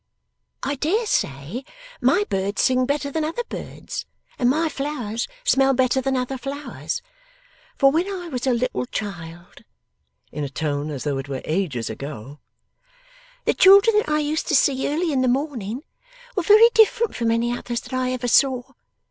'I dare say my birds sing better than other birds, and my flowers smell better than other flowers. For when I was a little child,' in a tone as though it were ages ago, 'the children that I used to see early in the morning were very different from any others that I ever saw.